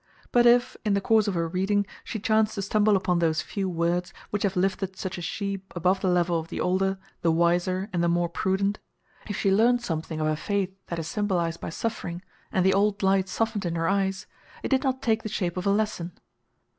But if, in the course of her reading, she chanced to stumble upon those few words which have lifted such as she above the level of the older, the wiser, and the more prudent if she learned something of a faith that is symbolized by suffering, and the old light softened in her eyes, it did not take the shape of a lesson.